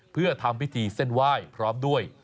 เพื่อทำพิธีเส้นไหว้พร้อมด้วย